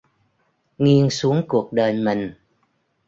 Nghiêng xuống cuộc đời mình